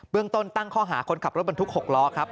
เรื่องต้นตั้งข้อหาคนขับรถบรรทุก๖ล้อครับ